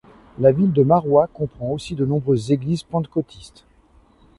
La ville de Maroua comprend aussi de nombreuses églises pantécôtistes.